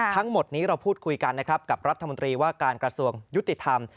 ทั้งหมดนี้เราพูดคุยกันนะครับกับรัฐมนตรีว่าการกระทรวงยุติธรรม